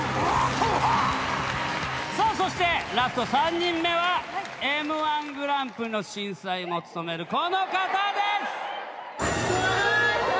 そしてラスト３人目はＭ−１グランプリの審査員も務めるこの方です。